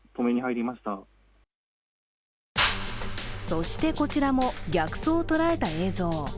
そして、こちらも逆走を捉えた映像。